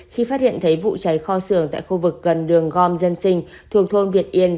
khi phát hiện thấy vụ cháy kho sưởng tại khu vực gần đường gom dân sinh thuộc thôn việt yên